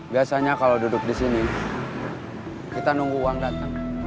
biasanya kalau duduk di sini kita nunggu uang datang